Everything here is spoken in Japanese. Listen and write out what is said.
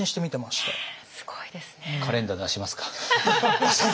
すごいですね。